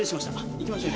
行きましょう。